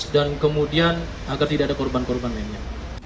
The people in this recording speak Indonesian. dan kemudian agar tidak ada korban korban lainnya